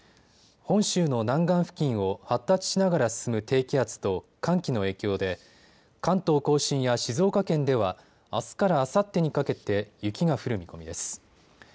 本州の南岸付近を発達しながら進む低気圧と寒気の影響で関東甲信や静岡県ではあすからあさってにかけて雪が降る見込みです。